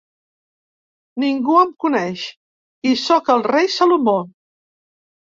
-Ningú em coneix… i sóc el rei Salomó!